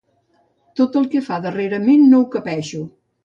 Tot el que fa darrerament, no ho capeixo.